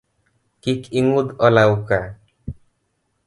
Kik ing’udh olawo ka